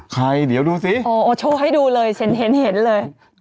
ใครเดี๋ยวดูสิโอ้โหโชว์ให้ดูเลยเห็นเลยพิมพ์ไปครับ